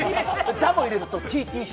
ザも入れるとＴＴＣ。